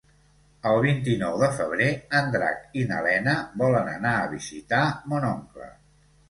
El vint-i-nou de febrer en Drac i na Lena volen anar a visitar mon oncle.